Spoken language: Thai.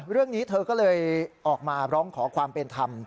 เรื่องนี้เธอก็เลยออกมาร้องขอความเป็นธรรม